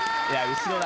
「後ろ」だ。